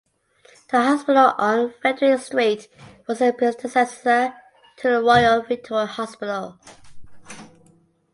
The hospital on Frederick Street was the predecessor to the Royal Victoria Hospital.